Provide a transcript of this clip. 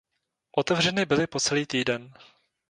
Otevřeny byly po celý týden.